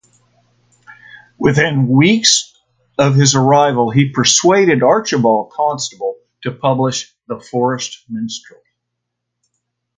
Within weeks of his arrival he persuaded Archibald Constable to publish "The Forest Minstrel".